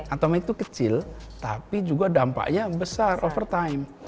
atomic tuh kecil tapi juga dampaknya besar over time